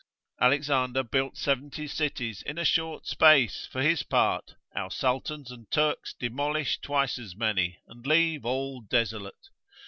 Alexander built 70 cities in a short space for his part, our sultans and Turks demolish twice as many, and leave all desolate.